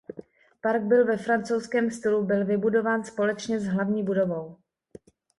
Park byl ve francouzském stylu byl vybudován společně s hlavní budovou.